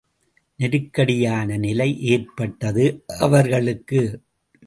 நெருக்கடியான நிலை ஏற்பட்டது அவர்களுக்கு.